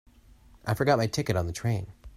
I forgot my ticket on the train.